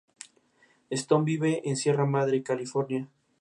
Integró en esta ocasión la comisión permanente de Guerra y Marina.